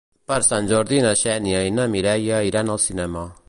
Per Sant Jordi na Xènia i na Mireia iran al cinema.